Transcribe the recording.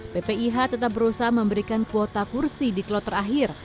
ppih tetap berusaha memberikan kuota kursi di kloter akhir